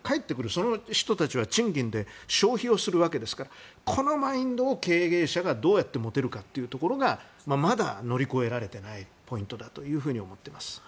その人たちは賃金で消費をするわけですからこのマインドを経営者がどうやって持てるかがまだ乗り越えられていないポイントだと思っています。